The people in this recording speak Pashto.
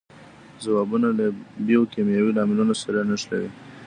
ځوابونه له بیوکیمیاوي لاملونو سره نښلوي.